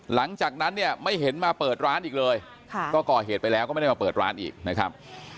หลังจากนั้นเนี่ยไม่เห็นมาเปิดร้านอีกเลยก็ก่อเหตุไปแล้วก็ไม่ได้มาเปิดร้านอีกนะครับ